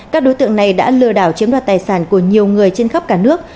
các đối tượng này đã lừa đảo chiếm đoạt tài sản của nhiều người trên khắp cả nước